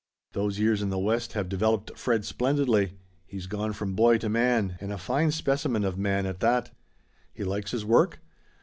Those years in the West have developed Fred splendidly. He's gone from boy to man, and a fine specimen of man, at that." "He likes his work?"